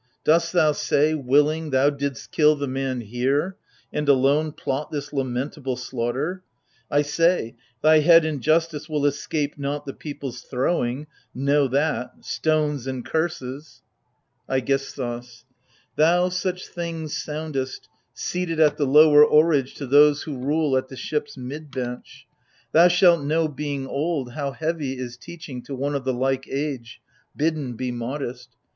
Dost thou say — willing, thou didst kill the man here, And, alone, plot this lamentable slaughter ? I say — thy head in justice will escape not The people's throwing — know that !— stones and curses ! AGAMEMNON, 141 AIGISTfiOS. Thou such things soundest — seated at the lower Oarage to those who rule at the shijys mid bench ? Thou shalt know, being old, how heavy is teaching To one of the like age— bidden be modest